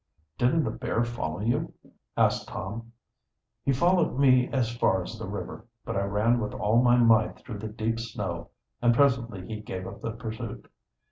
"Didn't the bear follow you?" asked Tom. "He followed as far as the river. But I ran with all my might through the deep snow, and presently he gave up the pursuit.